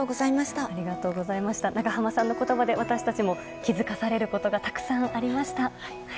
長濱さんの言葉で私たちも気づかされることがたくさんありました。